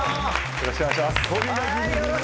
よろしくお願いします。